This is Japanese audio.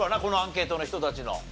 このアンケートの人たちの。